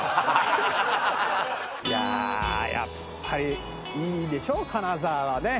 いややっぱりいいでしょう金沢はね。